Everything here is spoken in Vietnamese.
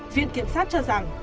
viện kiểm soát cho rằng